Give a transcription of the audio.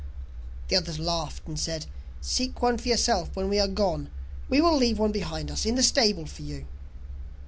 The others laughed, and said: 'Seek one for yourself when we are gone, we will leave one behind us in the stable for you.